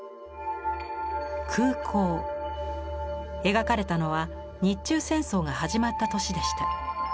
描かれたのは日中戦争が始まった年でした。